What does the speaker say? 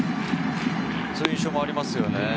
そういう印象がありますね。